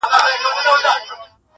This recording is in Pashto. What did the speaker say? د خدای د حسن عکاسي د يتيم زړه کي اوسي,